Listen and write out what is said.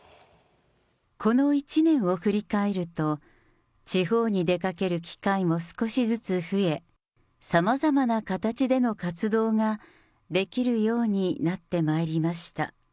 この１年を振り返ると、地方に出かける機会も少しずつ増え、さまざまな形での活動ができるようになってまいりました。